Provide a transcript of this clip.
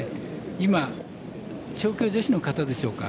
今、調教助手の方でしょうか。